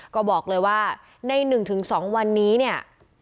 ก็บอกเลยว่าใน๑๒วันนี้เนี่ย